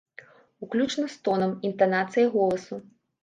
Уключна з тонам, інтанацыяй голасу.